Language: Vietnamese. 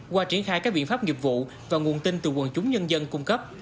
qua triển khai các biện pháp nghiệp vụ và nguồn tin từ quần chúng nhân dân cung cấp